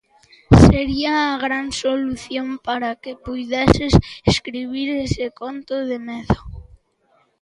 Sería a gran solución para que puideses escribir ese conto de medo.